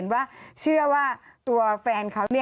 ว่าเชื่อว่าตัวแฟนเขา